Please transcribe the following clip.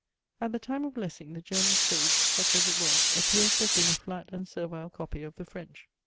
At the time of Lessing, the German stage, such as it was, appears to have been a flat and servile copy of the French.